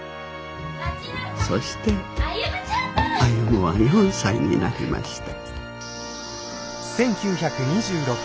そして歩は４歳になりました。